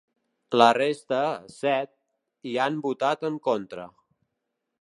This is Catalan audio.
La resta, set, hi han votat en contra.